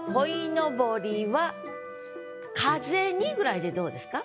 鯉のぼりは風に」ぐらいでどうですか？